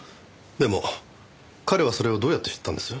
でも彼はそれをどうやって知ったんです？